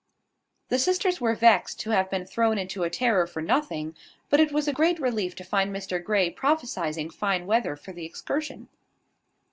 The sisters were vexed to have been thrown into a terror for nothing; but it was a great relief to find Mr Grey prophesying fine weather for the excursion.